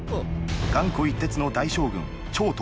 頑固一徹の大将軍・張唐。